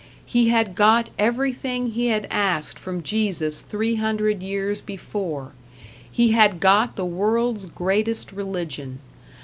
He had got everything he had asked from Jesus three hundred years before; he had got the world's greatest religion.